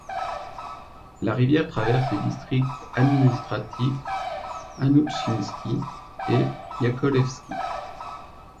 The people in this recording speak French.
La rivière traverse les districts administratifs Anoutchinski et Yakovlevski.